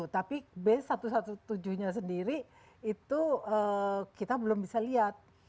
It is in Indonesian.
tapi b satu ratus tujuh belas nya sendiri itu kita belum bisa lihat